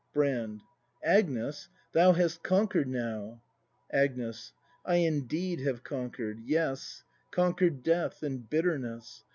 Brand. Agnes! Thou hast conquered now' Agnes. I indeed have conquer'd. Yes; Conquer'd death and bitterness!